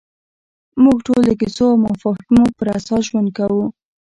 موږ ټول د کیسو او مفاهیمو پر اساس ژوند کوو.